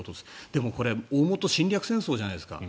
でもこれ、大本侵略戦争じゃないですか。